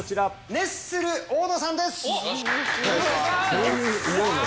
熱ッスル大野さんです。